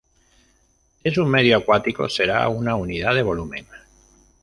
Si es un medio acuático será una unidad de volumen.